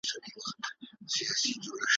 انسانان چي له غوایانو په بېلېږي ,